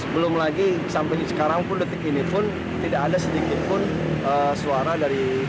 belum lagi sampai sekarang pun detik ini pun tidak ada sedikit pun suara dari